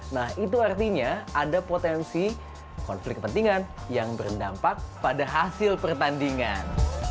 nah itu artinya ada potensi konflik kepentingan yang berdampak pada hasil pertandingan